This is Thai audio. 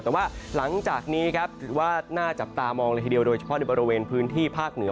แต่ว่าหลังจากนี้ครับถือว่าน่าจับตามองเลยทีเดียวโดยเฉพาะในบริเวณพื้นที่ภาคเหนือ